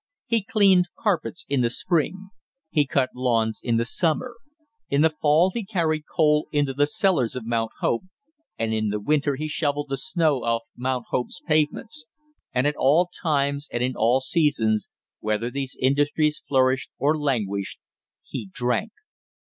He cleaned carpets in the spring; he cut lawns in the summer; in the fall he carried coal into the cellars of Mount Hope, and in the winter he shoveled the snow off Mount Hope's pavements; and at all times and in all seasons, whether these industries flourished or languished, he drank.